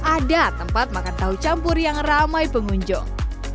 ada tempat makan tahu campur yang ramai pengunjung